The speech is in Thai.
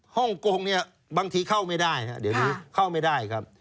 ฮ่องกงเนี่ยบางทีเข้าไม่ได้ครับเดี๋ยวนี้เข้าไม่ได้ครับ